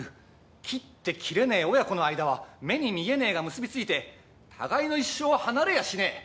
切って切れねえ親子の間は目に見えねえが結びついて互いの一生は離れやしねぇ！